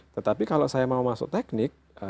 tetapi kalau saya mau masuk teknik